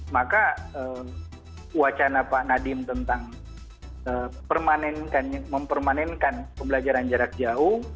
maka wacana pak nadiem tentang mempermanenkan pembelajaran jarak jauh